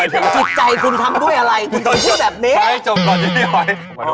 กิจใจคุณทำด้วยอะไรคุณต้องพูดแบบนี้